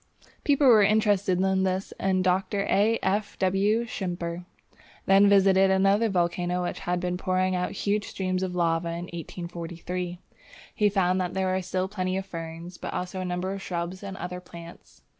People were interested in this, and Dr. A. F. W. Schimper then visited another volcano which had been pouring out huge streams of lava in 1843. He found that there were still plenty of ferns, but also numbers of shrubs and other plants.